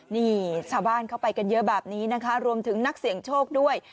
นี่ชาวบ้านเข้าไปกันเยอะแบบนี้นะคะรวมถึงนักเสี่ยงโชคด้วย